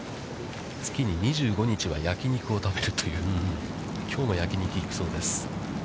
月に２５日は焼き肉を食べるということで、きょうも焼き肉に行くそうです。